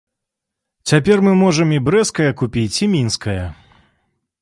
Цяпер мы можам і брэсцкае купіць, і мінскае.